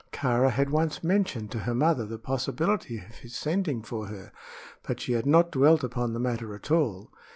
Kāra had once mentioned to her mother the possibility of his sending for her; but she had not dwelt upon the matter at all.